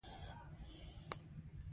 په دې غره کې ډېر طبیعي ښایست پروت ده